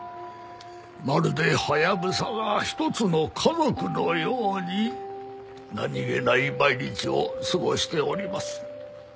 まるでハヤブサが一つの家族のように何げない毎日を過ごしております。